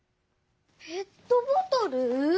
ペットボトル？